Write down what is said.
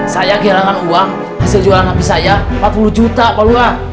saya kehilangan uang hasil jualan hapis saya empat puluh juta pak luar